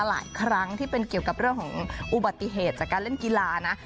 หลายครั้งที่เป็นเกี่ยวกับเรื่องของอุบัติเหตุจากการเล่นกีฬานะ